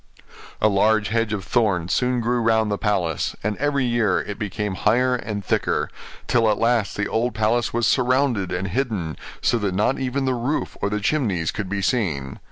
A large hedge of thorns soon grew round the palace, and every year it became higher and thicker; till at last the old palace was surrounded and hidden, so that not even the roof or the chimneys could be seen.